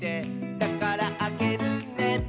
「だからあげるね」